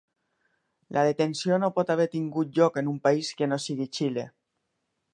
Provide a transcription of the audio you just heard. La detenció no pot haver tingut lloc en un país que no sigui Xile.